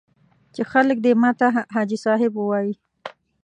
چې خلک دې ماته حاجي صاحب ووایي.